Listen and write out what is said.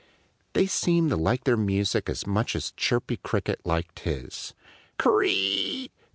They seemed to like their music as much as Chirpy Cricket liked his _cr r r i!